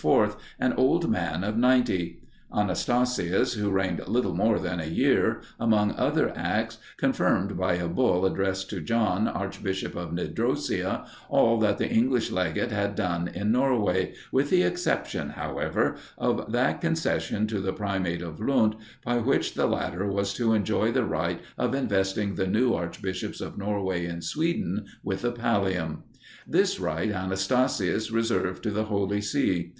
an old man of ninety. Anastasius, who reigned little more than a year, among other acts, confirmed, by a bull addressed to John, Archbishop of Nidrosia, all that the English legate had done in Norway, with the exception, however, of that concession to the primate of Lund, by which the latter was to enjoy the right of investing the new archbishops of Norway and Sweden with the pallium. This right, Anastasius reserved to the Holy See.